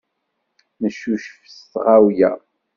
Neccucef s tɣawla.